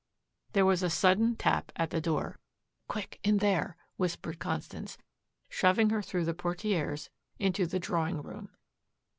There was a sudden tap at the door. "Quick in there," whispered Constance, shoving her through the portieres into the drawing room.